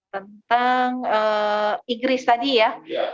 tentang igris tadi ya